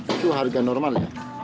itu harga normal ya